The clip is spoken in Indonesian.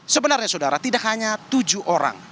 sebenarnya saudara tidak hanya tujuh orang